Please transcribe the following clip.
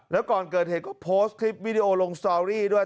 แล้วก่อนเกิดเหตุก็โพสต์คลิปวิดีโอลงสตอรี่ด้วย